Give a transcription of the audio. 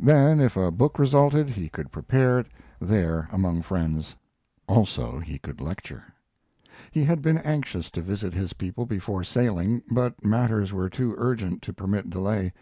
Then, if a book resulted, he could prepare it there among friends. Also, he could lecture. He had been anxious to visit his people before sailing, but matters were too urgent to permit delay.